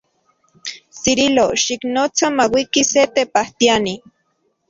Cirilo, xiknotsa mauiki se tepajtiani.